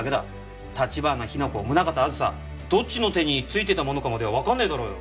橘日名子宗形あずさどっちの手に付いてたものかまではわかんねえだろうよ。